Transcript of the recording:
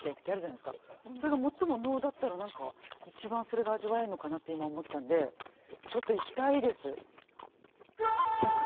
それが最も能だったら何か一番それが味わえるのかなって今思ったんでちょっと行きたいです。